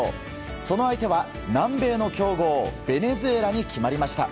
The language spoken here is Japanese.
その相手は南米の強豪ベネズエラに決まりました。